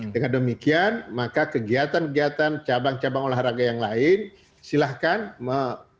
dengan demikian maka kegiatan kegiatan cabang cabang olahraga yang lain silahkan mengajukan permohonan rekomendasi kepada kami